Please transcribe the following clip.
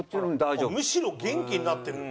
むしろ元気になってる？